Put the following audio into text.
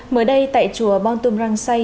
mới đây tại chùa bon tum rang say